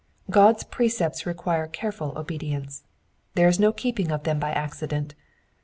God's precepts require careful obedience : there is no keeping them by acci dent.